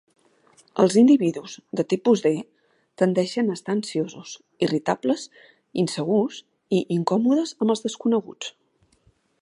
Els individus de tipus D tendeixen a estar ansiosos, irritables, insegurs i incòmodes amb els desconeguts.